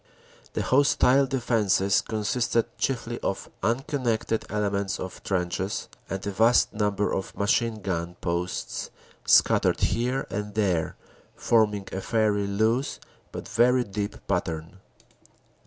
The hostile defenses consisted chiefly of uncon nected elements of trenches, and a vast number of machine gun posts scattered here and there, forming a fairly loose but very deep pattern."